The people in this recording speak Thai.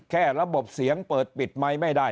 แค่ระบบเสียงเปิดปิดไมค์ไม่ได้